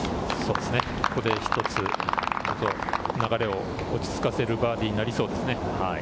ここで一つ流れを落ち着かせるバーディーになりそうですね。